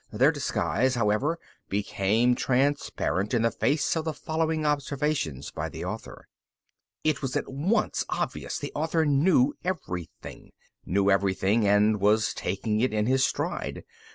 Their disguise, however, became transparent in the face of the following observations by the author. It was at once obvious the author knew everything. Knew everything and was taking it in his stride.